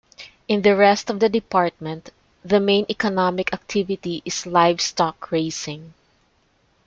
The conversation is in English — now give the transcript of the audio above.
In the rest of the department, the main economic activity is livestock raising.